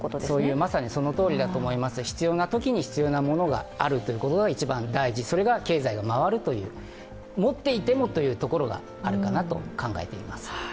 まさに、そのとおりだと思います必要な時に必要なものがあることが一番大事、それが経済が回るという持っていてもというところがあるかなと考えています。